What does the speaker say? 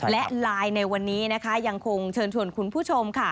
และไลน์ในวันนี้นะคะยังคงเชิญชวนคุณผู้ชมค่ะ